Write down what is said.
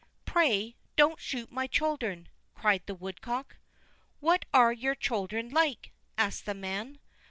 "Pray, don't shoot my children," cried the woodcock. "What are your children like?" asked the man.